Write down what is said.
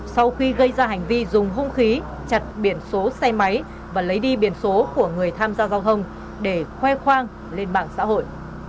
sau khi gây ra hành vi dùng hung khí chặt biển số xe máy và lấy đi biển số của người tham gia giao thông để khoe khoang lên mạng xã hội